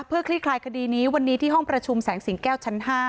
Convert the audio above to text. เพื่อคลี่คลายคดีนี้วันนี้ที่ห้องประชุมแสงสิงแก้วชั้น๕